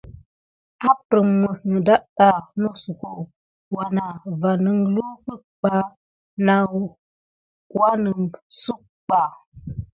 Apprem mis neda nosuko wana va nəngluwek ɓa na wannəsepsuk ɓa.